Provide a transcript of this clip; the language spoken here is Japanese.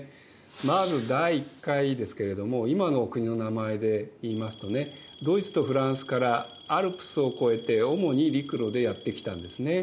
まず第１回ですけれども今の国の名前で言いますとねドイツとフランスからアルプスを越えて主に陸路でやって来たんですね。